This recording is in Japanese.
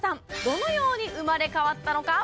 どのように生まれ変わったのか？